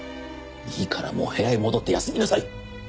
いいからもう部屋へ戻って休みなさい。